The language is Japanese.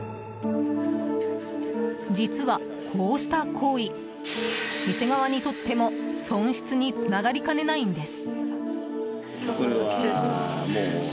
実は、こうした行為店側にとっても損失につながりかねないんです。